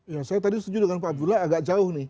ya saya tadi setuju dengan pak abdullah agak jauh nih